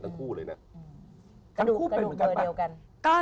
กระดูกเป็นเหมือนกันปะ